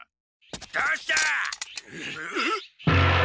どうした？